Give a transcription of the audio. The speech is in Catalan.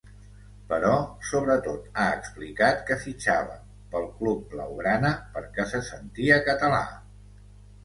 Però, sobretot ha explicat que fitxava pel club blau-grana perquè se sentia català.